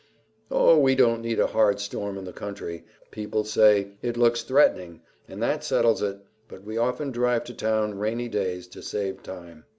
"Oh, we don't need a hard storm in the country. People say, 'It looks threatening,' and that settles it; but we often drive to town rainy days to save time."